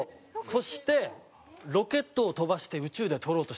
そしてロケットを飛ばして宇宙で撮ろうとしてます。